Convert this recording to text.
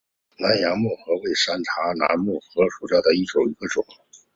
南洋木荷为山茶科木荷属下的一个种。